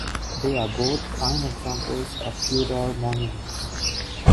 They are both fine examples of Tudor monuments.